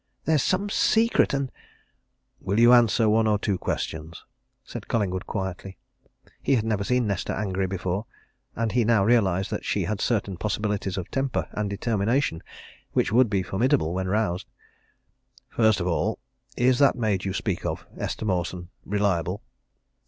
There's some secret and " "Will you answer one or two questions?" said Collingwood quietly. He had never seen Nesta angry before, and he now realized that she had certain possibilities of temper and determination which would be formidable when roused. "First of all, is that maid you speak of, Esther Mawson, reliable?"